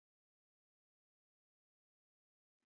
عمرا خان د اسمار له لارې جلال آباد ته ورسېد.